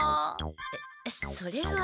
えっそれは。